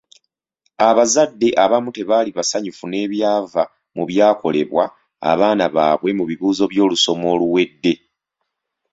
Abazadde abamu tebaali basanyufu n'ebyava mu byakolebwa abaana baabwe mu bibuuzo by'olusoma oluwedde.